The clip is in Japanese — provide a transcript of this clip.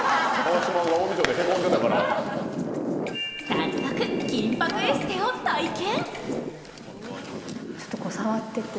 早速、金ぱくエステを体験。